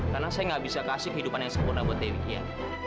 karena saya gak bisa kasih kehidupan yang sempurna buat dewi kia